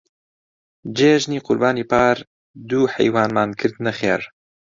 جێژنی قوربانی پار دوو حەیوانمان کردنە خێر.